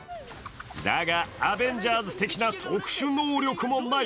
だが、「アベンジャーズ」的な特殊能力もない。